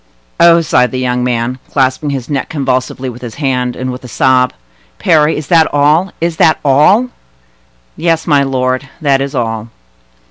"Oh!" sighed the young man, clasping his neck convulsively with his hand, and with a sob. "Parry, is that all?—is that all?" "Yes, my lord; that is all."